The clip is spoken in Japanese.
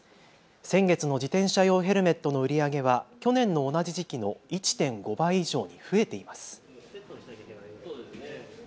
先月の自転車用ヘルメットの売り上げは去年の同じ時期の１．５倍以上増えています。